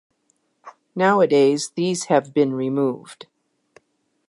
Nowadays these have been removed.